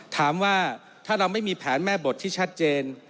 ถามว่าถ้าเราไม่มีแผนแม่บทที่ชัดเจน